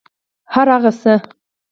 هرهغه شی